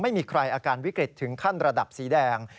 ไม่มีใครอาการวิกฤตถึงขั้นระดับสีแดง